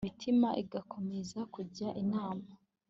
imitima igakomeza kujya inama